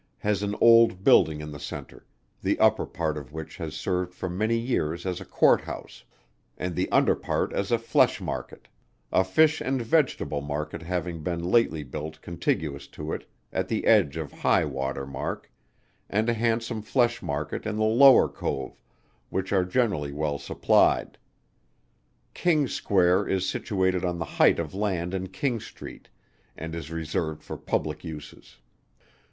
has an old building in the centre, the upper part of which has served for many years as a Court House, and the under part as a flesh market; a fish and vegetable market having been lately built contiguous to it, at the edge of high water mark, and a handsome flesh market in the Lower Cove, which are generally well supplied. King's square is situated on the height of land in King street, and is reserved for public uses.